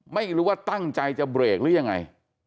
ไม่รู้ว่าตั้งใจจะเบรกหรือยังไง